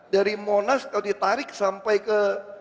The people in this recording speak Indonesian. dari monas kalau ditarik sampai ke